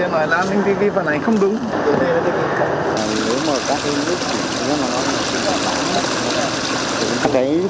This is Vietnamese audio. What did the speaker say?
mười anh lại chứng kiến ra nói là anh vy vy vào này không đúng